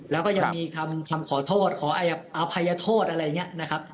แล้วก็ยังมีคำขอโทษขออภัยโทษอะไรอย่างนี้นะครับ